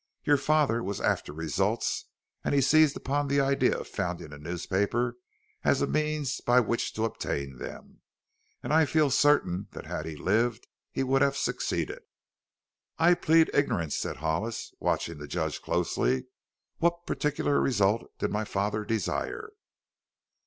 Your father was after results and he seized upon the idea of founding a newspaper as a means by which to obtain them. And I feel certain that had he lived he would have succeeded." "I plead ignorance," said Hollis, watching the judge closely. "What particular result did my father desire?"